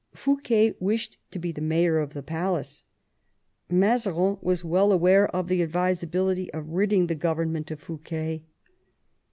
Fouquet wished to be the mayor of the palace. Mazarin was well aware of the advisability of ridding the government of Fouquet.